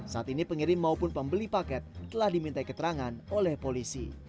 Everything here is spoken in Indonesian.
saat ini pengirim maupun pembeli paket telah diminta keterangan oleh polisi